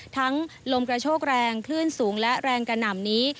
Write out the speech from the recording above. ลมกระโชกแรงคลื่นสูงและแรงกระหน่ำนี้